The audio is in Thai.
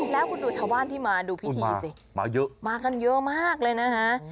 แล้วคุณดูชาวบ้านที่มาดูพิธีสิมาเยอะมากันเยอะมากเลยนะฮะ